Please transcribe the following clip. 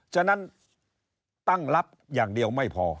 ฉะนั้นตั้งรับอย่างเดียวไม่พอ